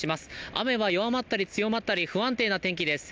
雨は弱まったり強まったり不安定な天気です。